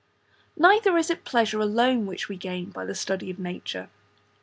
Neither is it pleasure alone which we gain by a study of nature.